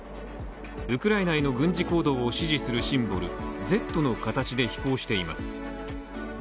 ウクライナへの軍事行動を支持するシンボル、Ｚの形で飛行しています。